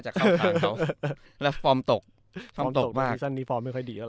ส่วนมัดฤทธิ์น่าจะอยากได้